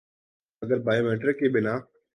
اگر biometric کے بنا